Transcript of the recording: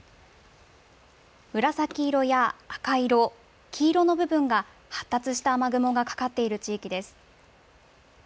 紫色や赤色、黄色の部分が、発達した雨雲がかかっている地域です。